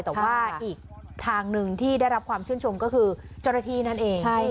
แต่ว่าอีกทางหนึ่งที่ได้รับความชื่นชมก็คือเจ้าหน้าที่นั่นเอง